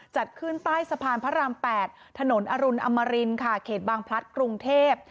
จัดขึ้นใต้สะพานพระราม๘ถนนอรุณอมรินค่ะเขตบางพลัดกรุงเทพ